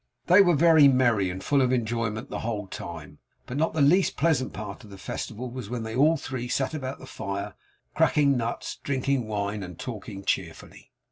They were very merry and full of enjoyment the whole time, but not the least pleasant part of the festival was when they all three sat about the fire, cracking nuts, drinking wine and talking cheerfully.